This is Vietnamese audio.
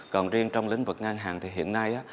còn riêng trong lĩnh vực ngân hàng thì hiện nay